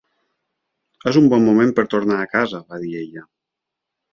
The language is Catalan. "És un bon moment per tornar a casa", va dir ella.